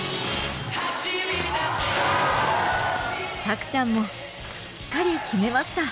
たくちゃんもしっかり決めました。